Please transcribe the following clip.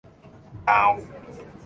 ดาวน์